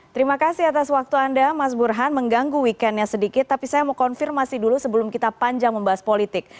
terima kasih atas waktu anda mas burhan mengganggu weekendnya sedikit tapi saya mau konfirmasi dulu sebelum kita panjang membahas politik